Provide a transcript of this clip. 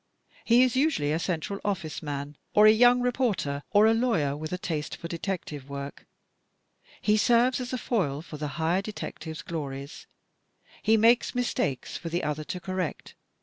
He is usually a Central OflSce Man, or a young reporter, or a lawyer with a taste for detective work. He serves as a foil for the higher detective's glories. He makes mistakes for the other to correct.